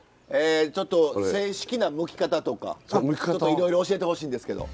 ちょっと正式なむき方とかちょっといろいろ教えてほしいんですけど。